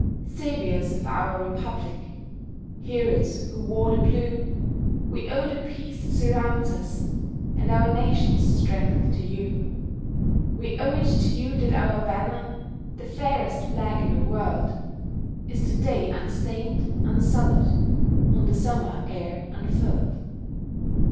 Saviours of our Republic, Heroes who wore the blue, We owe the peace that surrounds us— And our Nation's strength to you. We owe it to you that our banner, The fairest flag in the world, Is to day unstained, unsullied, On the Summer air unfurled.